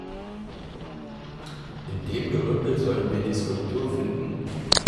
In dem Gerümpel sollen wir die Skulptur finden?